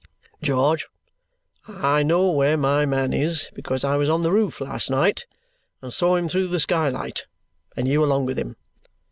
George, I know where my man is because I was on the roof last night and saw him through the skylight, and you along with him.